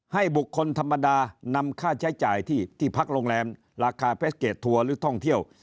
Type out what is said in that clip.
บุคคลธรรมดานำค่าใช้จ่ายที่พักโรงแรมราคาแพ็คเกจทัวร์หรือท่องเที่ยว